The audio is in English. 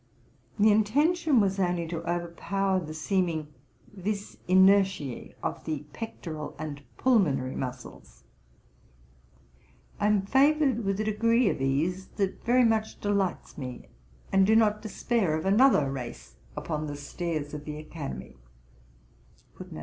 the intention was only to overpower the seeming vis inertioe of the pectoral and pulmonary muscles. I am favoured with a degree of ease that very much delights me, and do not despair of another race upon the stairs of the Academy.